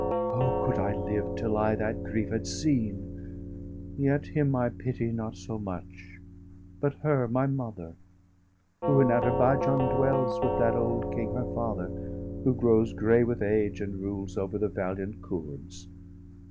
Oh, could I live, till I that grief had seen! Yet him I pity not so much, but her, My mother, who in Ader baijan dwells 590 With that old king, her father, who grows grey With age, and rules over the valiant Koords.